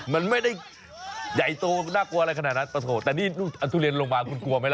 มันไม่ได้ใหญ่โตน่ากลัวอะไรขนาดนั้นปะโถแต่นี่เอาทุเรียนลงมาคุณกลัวไหมล่ะ